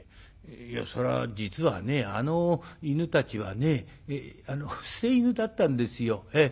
いやそりゃ実はねあの犬たちはねあの捨て犬だったんですよええ。